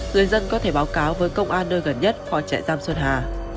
người dân có thể báo cáo với công an nơi gần nhất qua trại giam xuân hà